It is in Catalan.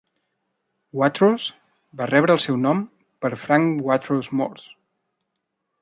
Watrous va rebre el seu nom per Frank Watrous Morse.